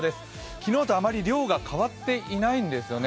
昨日とあまり量が変わっていないんですよね。